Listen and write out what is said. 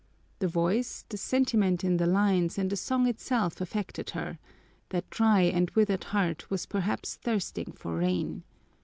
The voice, the sentiment in the lines, and the song itself affected her that dry and withered heart was perhaps thirsting for rain.